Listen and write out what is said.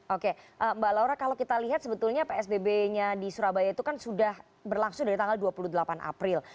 oke mbak laura kalau kita lihat sebetulnya psbb nya di surabaya itu kan sudah berlangsung dari tanggal dua puluh delapan april